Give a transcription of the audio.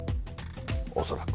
恐らく。